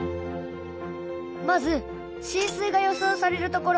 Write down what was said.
まず浸水が予想される所。